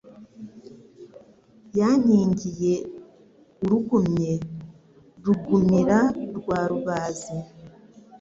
Yankingiye urugumye rugumira rwa Rubazi